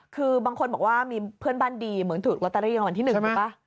คือบางคนบอกว่ามีเพื่อนบ้านดีเหมือนถูกลอตเตอรี่รางวัลที่๑ถูกป่ะ